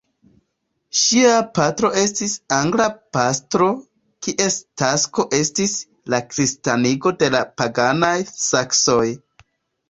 Ŝia patro estis angla pastro, kies tasko estis la kristanigo de la paganaj saksoj.